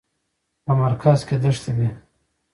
په مرکز کې دښتې دي.